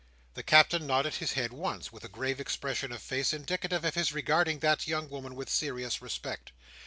The Captain nodded his head once, with a grave expression of face indicative of his regarding that young woman with serious respect.